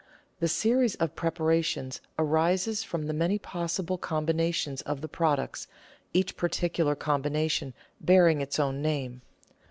The series of preparations arises from the many possible com binations of the products, each particular combination bearing its own name.